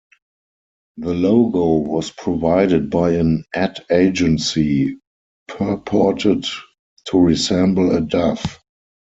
The logo was provided by an ad agency, purported to resemble a dove.